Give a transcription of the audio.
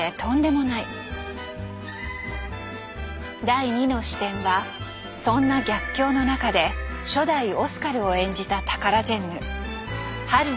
第２の視点はそんな逆境の中で初代オスカルを演じたタカラジェンヌ榛名由梨。